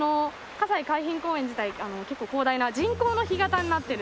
西海浜公園自体結構広大な人工の干潟になってるんですけども。